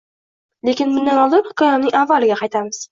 Lekin bundan oldin hikoyamning avvaliga qaytamiz